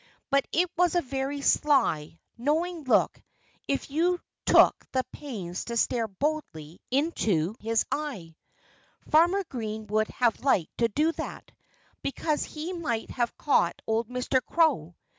But it was a very sly, knowing look if you took the pains to stare boldly into his eye. Farmer Green would have liked to do that, because then he might have caught old Mr. Crow.